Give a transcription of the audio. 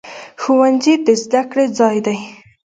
ښوونځی د زده کړې ځای دی